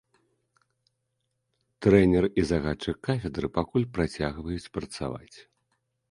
Трэнер і загадчык кафедры пакуль працягваюць працаваць.